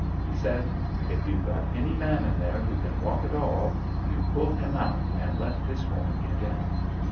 He said: "If you've got any man in there who can walk at all, you put him out and let this woman get in."